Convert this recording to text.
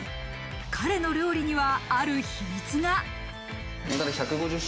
彼の料理には、ある秘密が。